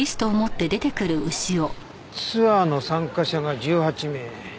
ツアーの参加者が１８名。